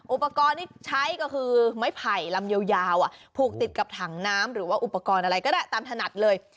อุปกรณ์ที่ใช้ก็คือไม้ไผ่ลำยาวผูกติดกับถังน้ำหรือว่าอุปกรณ์อะไรก็ได้ตามถนัดเลย